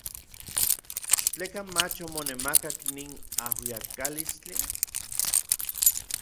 ¿Tlekan mach omonemakak nin ajuiakalistli.